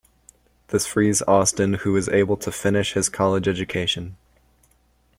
This frees Austin who is able to finish his college education.